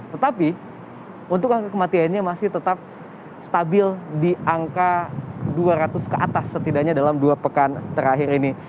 tetapi untuk angka kematiannya masih tetap stabil di angka dua ratus ke atas setidaknya dalam dua pekan terakhir ini